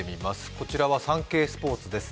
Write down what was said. こちらは「サンケイスポーツ」です。